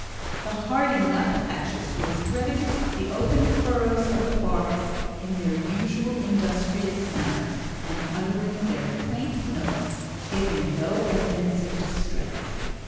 The hardy nuthatches were threading the open furrows of the barks in their usual industrious manner and uttering their quaint notes, giving no evidence of distress.